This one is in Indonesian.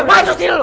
masuk sini lu